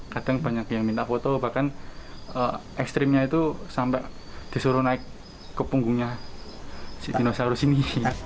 kadang banyak yang minta foto bahkan ekstrimnya itu sampai disuruh naik ke punggungnya si dinosaurus ini